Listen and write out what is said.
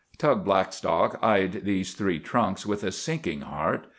Tug Blackstock eyed those three trunks with a sinking heart.